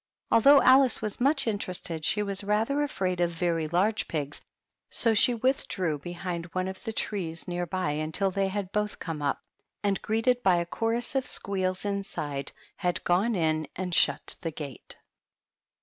Although Alice was much interested, she was rather afraid of very large pigs, so she withdrew behind one of the trees near by until they had both come up, and greeted by a chorus of squeals inside, had gone in and shut the gate.